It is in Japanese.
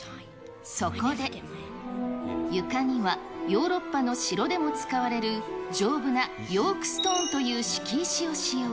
そこで、床には、ヨーロッパの城でも使われる丈夫なヨークストーンという敷石を使用。